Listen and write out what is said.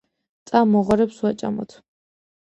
წამო ღორებს ვაჭამოთ